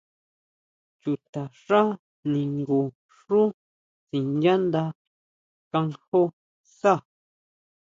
Chutaxá ningun xú sinyánda kanjó saá.